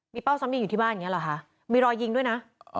เป้าซ้ำยิงอยู่ที่บ้านอย่างนี้หรอคะมีรอยยิงด้วยนะ